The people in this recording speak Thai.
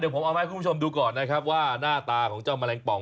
เดี๋ยวผมเอาให้คุณผู้ชมดูก่อนนะครับว่าหน้าตาของเจ้ามะแห้งปอง